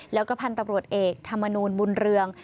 แล้วก็พันธุ์ตำรวจเอกธรรมนูลบุญเรือง